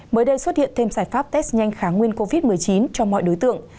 mới đây xuất hiện thêm giải pháp test nhanh kháng nguyên covid một mươi chín cho mọi đối tượng